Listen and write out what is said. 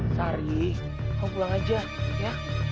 sari kamu pulang aja ya